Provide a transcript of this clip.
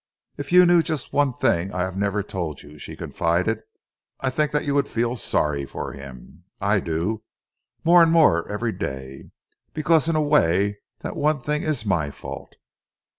"If you knew just one thing I have never told you," she confided, "I think that you would feel sorry for him. I do, more and more every day, because in a way that one thing is my fault."